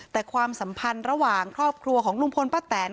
แต่ความสัมพันธ์ระหว่างครอบครัวของลุงพลป้าแตน